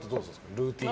ルーティンは。